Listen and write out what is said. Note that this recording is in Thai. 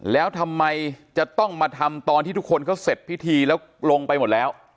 แล้วทำไมจะต้องมาทำตอนที่ทุกคนเขาเสร็จพิธีแล้วลงไปหมดแล้ว